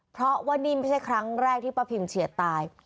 เพราะว่านี่ไม่ใช่ครั้งแรกที่ป้าพิมเฉียดตาย